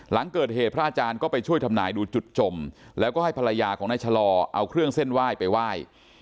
หลังเกิดเหตุพระอาจารย์ก็ไปช่วยทำนายดูจุดจมแล้วก็ให้ภรรยาของนายชะลอเอาเครื่องเส้นไหว้ไปไหว้